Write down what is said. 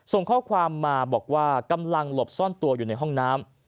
ส่งข้อความมาบอกว่ากำลังหลบซ่อนตัวอยู่ในห้องน้ำ